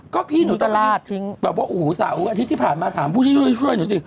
ก็พี่หนูตอนนี้อาทิตย์ที่ผ่านมาถามผู้ช่วยหนูสิ